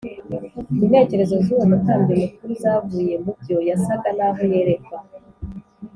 intekerezo z’uwo mutambyi mukuru zavuye mu byo yasaga n’aho yerekwa